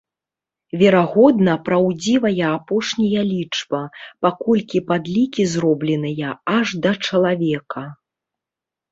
Верагодна, праўдзівая апошняя лічба, паколькі падлікі зробленыя аж да чалавека.